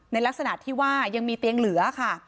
ในลักษณะที่ว่ายังมีเตียงเหลือค่ะ